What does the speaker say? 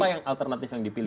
apa yang alternatif yang dipilih